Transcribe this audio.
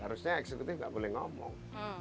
harusnya eksekutif nggak boleh ngomong